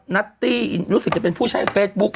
นัตตี้รู้สึกจะเป็นผู้ใช้เฟซบุ๊ค